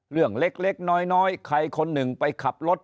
เรื่องเล็กน้อยใครคนหนึ่งไปขับรถ